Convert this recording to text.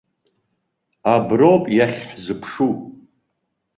Аброуп иахьҳзыԥшу.